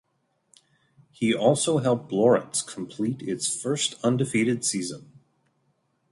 He also helped Lawrence complete its first undefeated season.